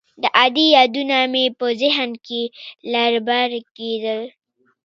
د ادې يادونه مې په ذهن کښې لر بر کېدل.